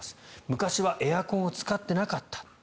昔はエアコンを使っていなかった。